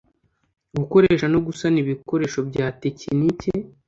Gukoresha no gusana ibikoresho bya tekinike